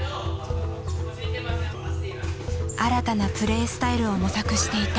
新たなプレースタイルを模索していた。